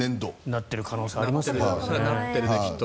なってる可能性はありますよ。